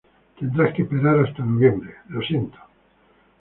Tendrás que esperar hasta noviembre, lo siento.